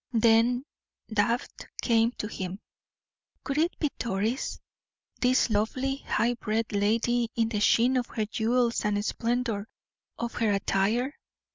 Then doubt came to him. Could it be Doris? this lovely, high bred lady in the sheen of her jewels and splendor of her attire?